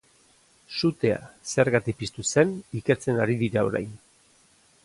Sutea zergatik piztu zen ikertzen ari dira orain.